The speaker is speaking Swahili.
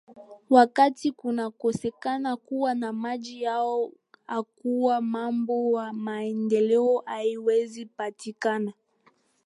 wakati kunakosekana kuwa na maji aa hakuwa mambo maendeleo haiwezi patikana